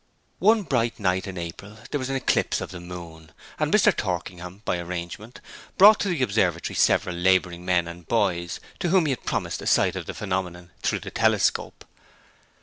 One bright night in April there was an eclipse of the moon, and Mr. Torkingham, by arrangement, brought to the observatory several labouring men and boys, to whom he had promised a sight of the phenomenon through the telescope.